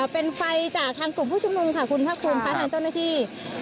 เป็นไฟจากทางกลุ่มผู้ชมนุมค่ะคุณท่านเจ้าหน้าที่